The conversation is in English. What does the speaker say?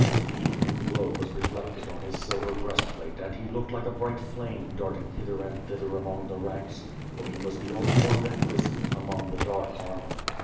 The evening glow was reflected on his silver breast plate and he looked like a bright flame darting hither and thither among the ranks, for he was the only one that glis tened, among the dark armor.